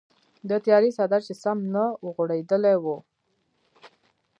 د تیارې څادر چې سم نه وغوړیدلی و.